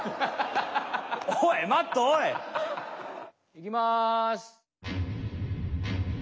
いきます。